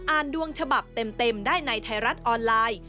อ่านดวงฉบับเต็มได้ในไทรัศน์ออนไลน์